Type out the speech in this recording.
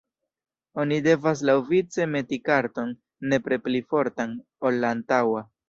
Oni devas laŭvice meti karton, nepre pli fortan, ol la antaŭa.